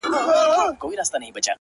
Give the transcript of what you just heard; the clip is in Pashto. توروه سترگي ښايستې په خامـوشـۍ كي.!